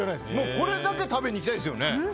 これだけ食べに行きたいですよね。